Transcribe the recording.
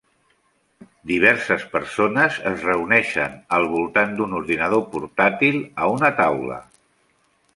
Diverses persones es reuneixen al voltant d'un ordinador portàtil a una taula.